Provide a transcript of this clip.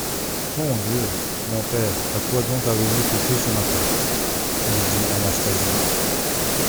Mon Dieu ! mon père, à quoi donc avez-vous touché ce matin ? lui dit Anastasie.